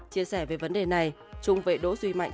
chia sẻ về vấn đề này trung vệ đỗ duy mạnh